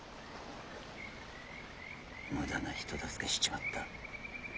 無駄な人助けしちまった。